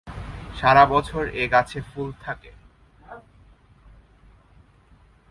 সারা বছর এ গাছে ফুল থাকে।